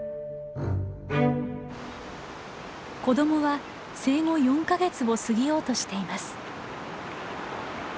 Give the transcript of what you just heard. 子どもは生後４か月を過ぎようとしています。